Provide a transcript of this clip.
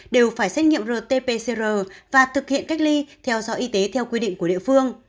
đều phải xét nghiệm rt pcr và thực hiện cách ly theo dõi y tế theo quy định của địa phương